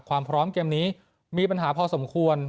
ความพร้อมเกมนี้มีปัญหาพอสมควร